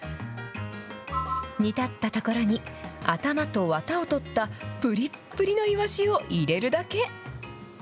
煮立ったところに頭とわたを取ったぷりっぷりのいわしを入れるだけ。